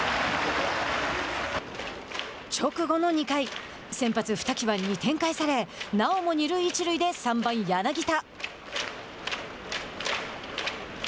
直後の２回先発二木は２点返されなおも二塁一塁で３番柳田。